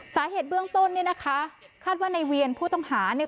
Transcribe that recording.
สาเหตุเบื้องต้นเนี่ยนะคะคาดว่าในเวียนผู้ต้องหาเนี่ย